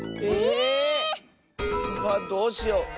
え⁉どうしよう。